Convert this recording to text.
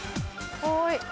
はい。